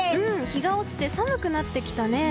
日が落ちて寒くなってきたね。